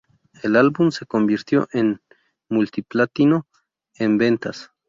El álbum se convirtió en multiplatino en ventas.